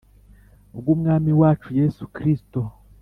bw Umwami wacu Yesu Kristo